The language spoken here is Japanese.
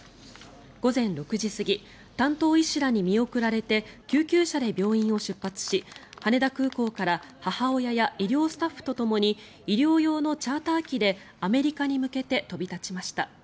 午前７時過ぎ担当医師らに見送られて救急車で病院を出発し羽田空港から母親や医療スタッフとともに医療用のチャーター機でアメリカに向けて飛び立ちました。